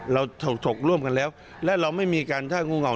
ถกร่วมกันแล้วและเราไม่มีการท่างูเห่า